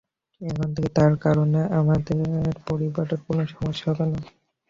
এখন থেকে তার কারণে আপনার পরিবারের কোন সমস্যা হবে না।